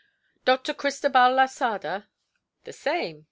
"Dr. Cristobal Losada?" "The same.